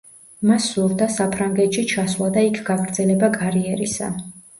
მას სურდა საფრანგეთში ჩასვლა და იქ გაგრძელება კარიერისა.